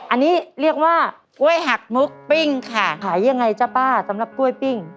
อันนี้เรียกว่ากล้วยหักมุกปิ้งค่ะขายยังไงจ๊ะป้าสำหรับกล้วยปิ้ง